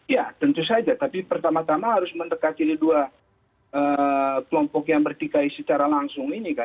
ya tentu saja tapi pertama tama harus mendekati dua kelompok yang bertikai secara langsung ini kan